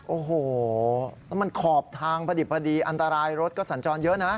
โอ้โหแล้วมันขอบทางพอดีอันตรายรถก็สัญจรเยอะนะ